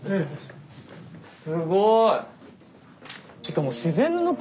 すごい！